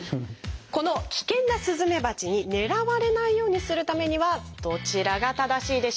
この危険なスズメバチに狙われないようにするためにはどちらが正しいでしょうか？